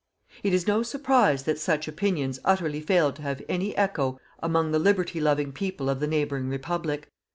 It is no surprise that such opinions utterly failed to have any echo amongst the liberty loving people of the neighbouring Republic.